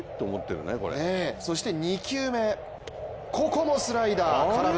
そして、２球目ここもスライダー。